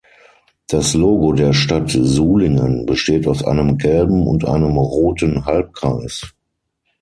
Das Logo der Stadt Sulingen besteht aus einem gelben und einem roten Halbkreis.